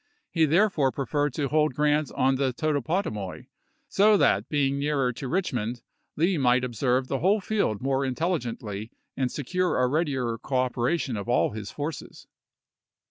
He therefore preferred to hold Grant on the Totopotomoy, so that, being nearer to Richmond, Lee might observe a. l. Lon the whole field more intelligently and secure a "^^^^^"1^^ readier cooperation of all his forces.